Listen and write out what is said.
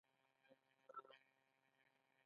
ابوجعفر په هغه کال له جنګ څخه وروسته علي ته راغی.